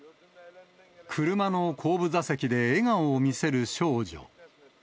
車の後部座席で笑顔を見せる少女。